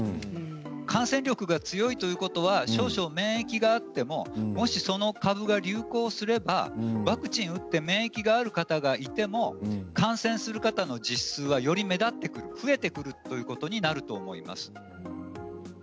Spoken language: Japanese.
感染力が強いということは少々免疫があってももしその株が流行すればワクチンを打って免疫がある方がいても感染する方の実数はより目立ってくる増えてくるということになってきます。